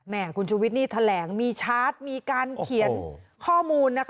คุณชุวิตนี่แถลงมีชาร์จมีการเขียนข้อมูลนะคะ